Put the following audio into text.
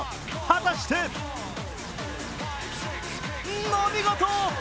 果たしてお見事！